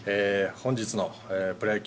本日のプロ野球